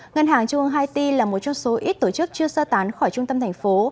ngân hàng trung ương haiti là một trong số ít tổ chức chưa sơ tán khỏi trung tâm thành phố